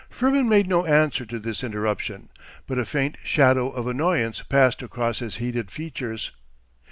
Firmin made no answer to this interruption. But a faint shadow of annoyance passed across his heated features.